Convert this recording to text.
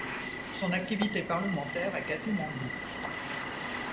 Son activité parlementaire est quasiment nulle.